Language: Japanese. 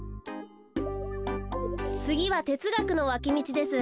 つぎはてつがくのわきみちです。